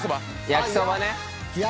焼そばね。